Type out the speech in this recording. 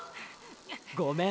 ごめん。